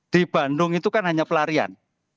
di bandung itu kan hanya pelarian